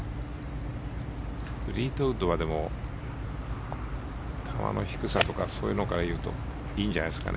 フリートウッドは球の低さとかから言うといいんじゃないですかね。